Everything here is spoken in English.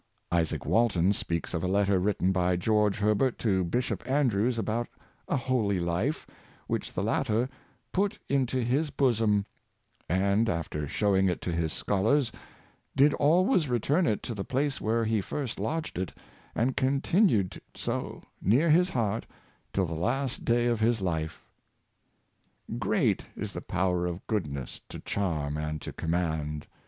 Izaak Walton speaks of a letter written by George Herbert to Bishop Andrews about a holy life, which the latter " put into his bosom," and, after showing it to his scholars, " did always return it to the place where he first lodged it, and continued it so, near his heart, till the last day of his life." Great is the power of goodness to charm and to com mand.